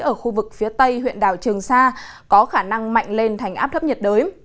ở khu vực phía tây huyện đảo trường sa có khả năng mạnh lên thành áp thấp nhiệt đới